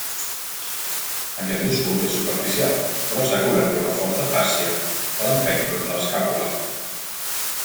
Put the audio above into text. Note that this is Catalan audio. Aquest múscul és superficial però està cobert per una forta fàscia que l'empeny contra l'escàpula.